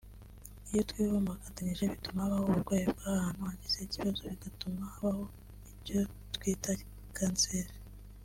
iyo twivumbagatanyije bituma habaho uburwayi bw’ahantu hagize ikibazo bigatuma habaho icyo twita kanseri